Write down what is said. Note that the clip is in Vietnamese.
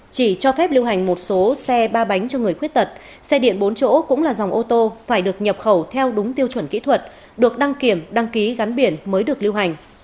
chỉ cho phép lưu hành một số xe ba bánh cho người khuyết tật xe điện bốn chỗ cũng là dòng ô tô phải được nhập khẩu theo đúng tiêu chuẩn kỹ thuật được đăng kiểm đăng ký gắn biển mới được lưu hành